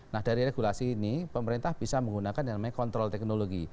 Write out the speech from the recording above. nah dari regulasi ini pemerintah bisa menggunakan yang namanya kontrol teknologi